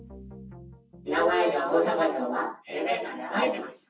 名古屋城、大阪城はエレベーターで上がれてました。